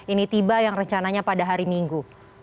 ini tiba yang rencananya pada hari minggu